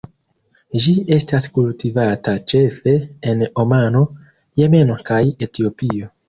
Ĝi estas kultivata ĉefe en Omano, Jemeno kaj Etiopio.